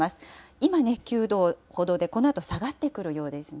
今ね、９度ほどで、このあと下がってくるようですね。